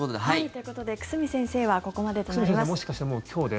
ということで久住先生はここまでとなります。